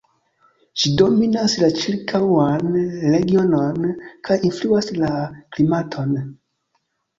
Ĝi dominas la ĉirkaŭan regionon kaj influas la klimaton.